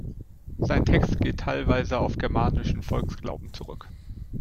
Sein Text geht teilweise auf germanischen Volksglauben zurück.